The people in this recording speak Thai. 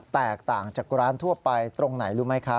แตกต่างจากร้านทั่วไปตรงไหนรู้ไหมคะ